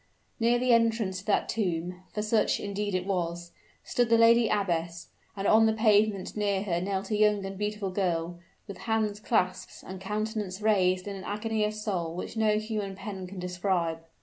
Near the entrance to that tomb, for such, indeed, it was stood the lady abbess: and on the pavement near her knelt a young and beautiful girl, with hands clasped and countenance raised in an agony of soul which no human pen can describe.